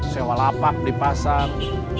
sewa lapak di pasar